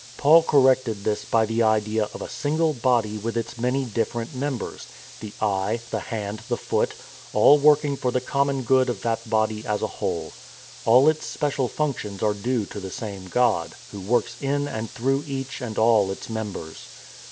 Paul corrected this by the idea of a single body with its many different members — the eye, the hand, the foot — all working for the common good of that body as a whole. All its special functions are due to the same God, Who works in and through each and all its members.